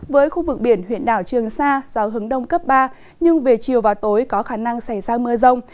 với khu vực biển huyện đảo trường sa gió hướng đông cấp ba nhưng về chiều và tối có khả năng xảy ra mưa rông